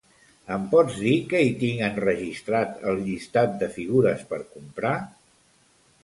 Em pots dir què hi tinc enregistrat al llistat de figures per comprar?